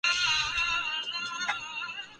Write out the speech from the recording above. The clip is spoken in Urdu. آپ ایک کمرے کا کرایہ کتنا لیتے ہیں؟